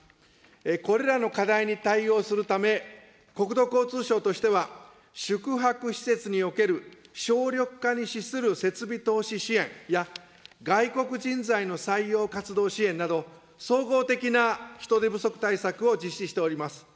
これらの課題に対応するため、国土交通省としては、宿泊施設における省力化に資する設備投資支援や、外国人材の採用活動支援など、総合的な人手不足対策を実施しております。